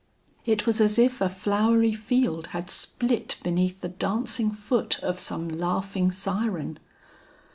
It was as if a flowery field had split beneath the dancing foot of some laughing siren.